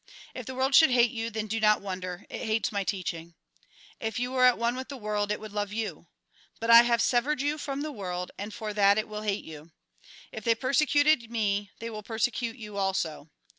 " If the world should hate you, then do not wonder ; it hates my teaching. If you were at one with the world, it would love you. But I have severed you from the world, and for that it will hate you. If they persecuted me, they will perse cute you also.